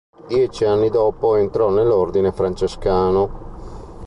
Dieci anni dopo entrò nell'Ordine Francescano.